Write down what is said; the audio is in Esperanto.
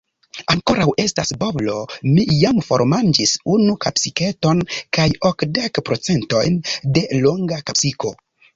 Ankoraŭ estas bovlo, mi jam formanĝis unu kapsiketon, kaj okdek procentojn da longa kapsiko.